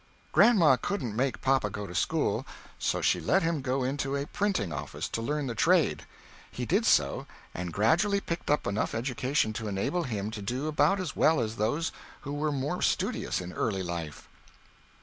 Grandma couldn't make papa go to school, no she let him go into a printing office to learn the trade. He did so, and gradually picked up enough education to enable him to do about as well as those who were more studious in early life.